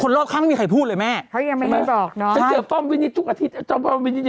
คนรถซ้ำปั้งไปนิดทุกอาทิตย์